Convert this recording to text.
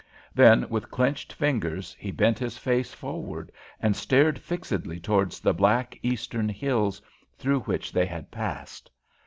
Then, with clenched fingers, he bent his face forward and stared fixedly towards the black eastern hills through which they had passed.